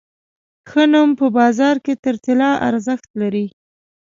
ښه نوم په بازار کې تر طلا ارزښت لري.